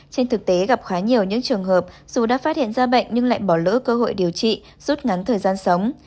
trên thực tế gặp khá nhiều những trường hợp dù đã phát hiện ra bệnh nhưng lại bỏ lỡ cơ hội điều trị rút ngắn thời gian sống